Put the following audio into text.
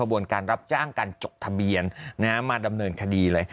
บนการรับจ้างการจดทะเบียนมาดำเนินคดีเลย